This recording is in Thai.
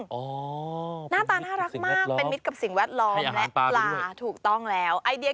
หน้าตาน่ารักมากเป็นมิตรกับสิ่งแวดล้อมและปลาถูกต้องแล้วไอเดีย